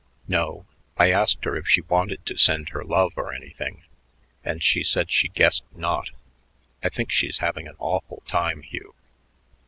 "No. I asked her if she wanted to send her love or anything, and she said she guessed not. I think she's having an awful time, Hugh."